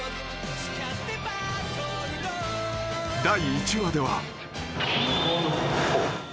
［第１話では］